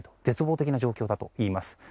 絶望的な状況だといいます。